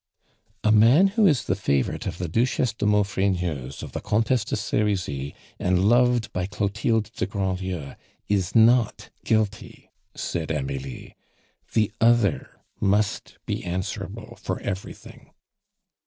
"A man who is the favorite of the Duchesse de Maufrigneuse, of the Comtesse de Serizy, and loved by Clotilde de Grandlieu, is not guilty," said Amelie. "The other must be answerable for everything."